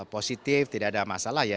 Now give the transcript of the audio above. positif tidak ada masalah ya